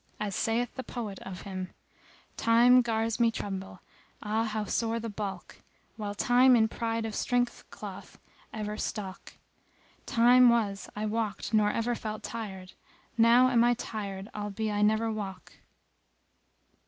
As saith the poet of him:— Time gars me tremble Ah, how sore the baulk! * While Time in pride of strength doth ever stalk: Time was I walked nor ever felt I tired, * Now am I tired albe I never walk!